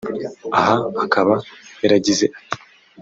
Aha akaba yaragize ati